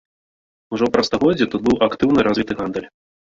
Ужо праз стагоддзе тут быў актыўна развіты гандаль.